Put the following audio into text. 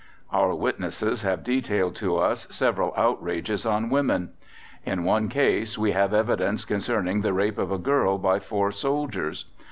Our witnesses have detailed to us several outrages on women. In one case we have evidence concerning the rape of a girl by four soldiers.